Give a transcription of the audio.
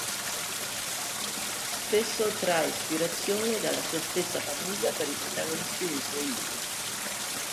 Spesso trae ispirazione dalla sua stessa famiglia per i protagonisti dei suoi libri.